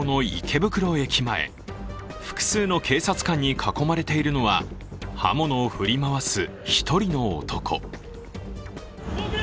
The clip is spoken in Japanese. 袋駅前、複数の警察官に囲まれているのは刃物を振り回す１人の男。